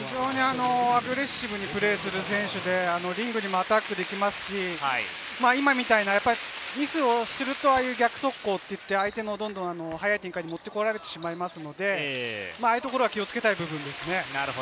アグレッシブにプレーする選手で、リングにアタックできますし、今みたいなミスをすると逆速攻といって、相手の速い展開に持ってこられてしまいますので、ああいうところは気をつけたい部分です。